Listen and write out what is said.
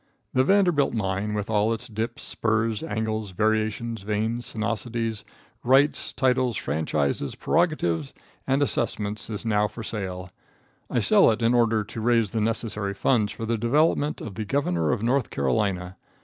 The Vanderbilt mine, with all its dips, spurs, angles, variations, veins, sinuosities, rights, titles, franchises, prerogatives and assessments is now for sale. I sell it in order to raise the necessary funds for the development of the Governor of North Carolina.